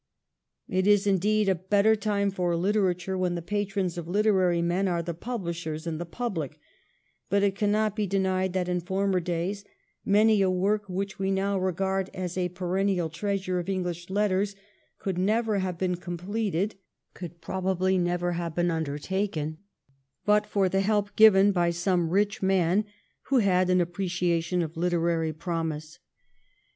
It is indeed a better time for literature when the patrons of literary men are the publishers and the public, but it cannot be denied that in former days many a work which we now regard as a perennial treasure of English letters could never have been completed — could probably never have been undertaken — ^but for the help given by some rich man who had an appreciation of hterary promise.